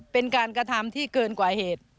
เป็นการกระทำที่เกินกว่าเหตุ